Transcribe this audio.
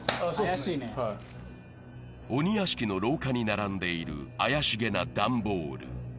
鬼屋敷の廊下に並んでいる怪しげな段ボール。